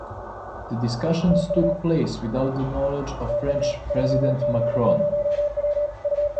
The discussions took place without the knowledge of French President Macron.